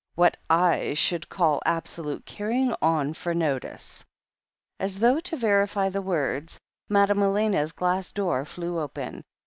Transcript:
What / should call absolute carry ing on for notice." As though to verify the words, Madame Elena's glass door flew open.